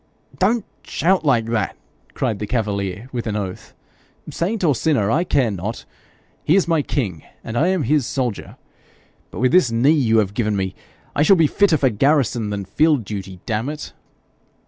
'Don't shout like that!' cried the cavalier, with an oath. 'Saint or sinner, I care not. He is my king, and I am his soldier. But with this knee you have given me, I shall be fitter for garrison than field duty damn it.'